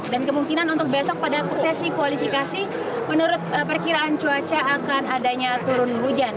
dan kemungkinan untuk besok pada sesi kualifikasi menurut perkiraan cuaca akan adanya turun hujan